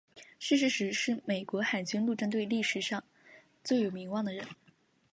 逝世时是美国海军陆战队历史上最有名望的人。